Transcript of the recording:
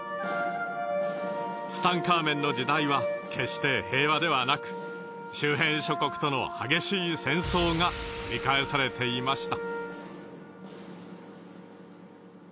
ツタンカーメンの時代は決して平和ではなく周辺諸国との激しい戦争が繰り返されていました。